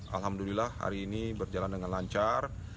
alhamdulillah hari ini berjalan dengan lancar